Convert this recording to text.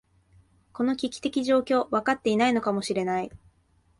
この危機的状況、分かっていないのかもしれない。